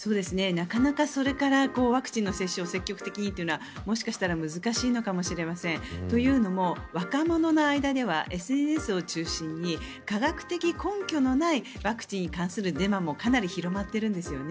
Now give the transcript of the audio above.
なかなか、それからワクチンの接種を積極的にというのはもしかしたら難しいのかもしれません。というのも若者の間ではＳＮＳを中心に科学的根拠のないワクチンに関するデマもかなり広がっているんですよね。